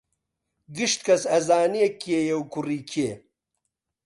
گشت کەس ئەزانێ کێیە و کوڕی کێ